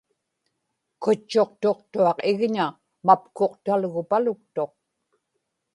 kutchuqtuqtuaq igña mapkuqtalgupaluktuq